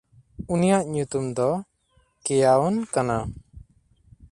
ᱩᱱᱤᱭᱟᱜ ᱧᱩᱛᱩᱢ ᱫᱚ ᱠᱮᱭᱟᱚᱱ ᱠᱟᱱᱟ᱾